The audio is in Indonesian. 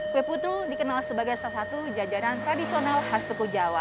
kue putu dikenal sebagai salah satu jajanan tradisional khas suku jawa